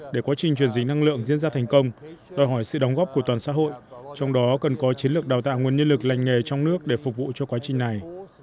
để quá trình chuyển dính năng lượng diễn ra thành công đòi hỏi sự đóng góp của toàn xã hội trong đó cần có chiến lược đào tạo nguồn nhân lực lành nghề trong nước để phục vụ cho quá trình này